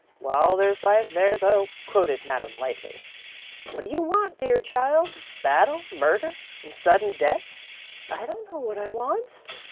"'While there's life there's hope,'" quoted Madame lightly. "What do you want, dear child? Battle, murder, and sudden death?" "I don't know what I want."